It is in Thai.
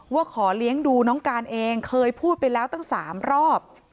ว่าขอเลี้ยงดูน้องการเองเคยพูดไปแล้วตั้ง๓รอบ